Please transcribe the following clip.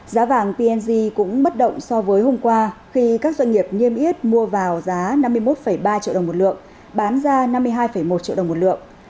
giá vàng png cũng mất động so với hôm qua khi các doanh nghiệp niêm yết mua vào giá năm mươi một ba triệu đồng một lượng bán ra năm mươi hai một triệu đồng một lượng